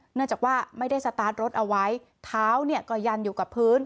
เนื่องจากว่าไม่ได้สตาร์ทรถเอาไว้เท้าเนี่ยก็ยันอยู่กับพื้น